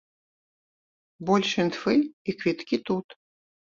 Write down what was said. Больш інфы і квіткі тут.